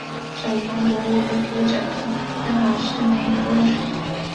小熊国为主角的香港室内游乐场。